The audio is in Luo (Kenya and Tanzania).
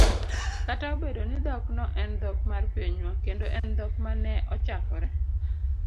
kata obedo ni dhokno en dhok mar pinywa kendo en dhok ma ne ochakore